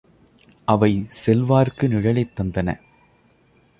அவை செல்வார்க்கு நிழலைத் தந்தன.